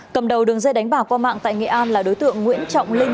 cầm đầu đường dây đánh bạc qua mạng tại nghệ an là đối tượng nguyễn trọng linh